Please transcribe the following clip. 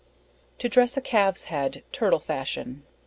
To dress a Calve's Head. Turtle fashion.